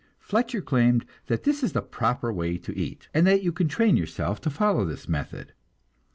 Fletcher claimed that this is the proper way to eat, and that you can train yourself to follow this method.